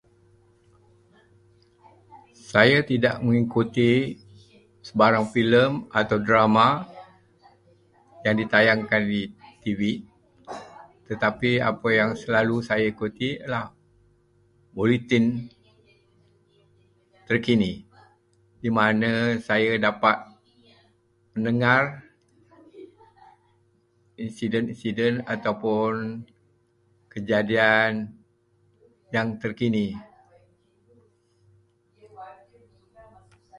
Saya tidak mengikuti sebarang filem atau drama yang ditayangkan di TV, tetapi perkara yang saya selalu ikuti ialah Buletin Terkini, di mana saya dapat mendengar insiden-insiden atau kejadian yang terkini.